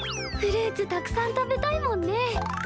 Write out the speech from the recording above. フルーツたくさん食べたいもんね。